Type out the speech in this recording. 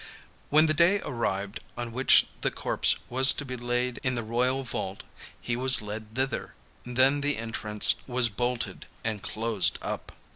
When the day arrived on which the corpse was to be laid in the royal vault, he was led thither, then the entrance was bolted and closed up.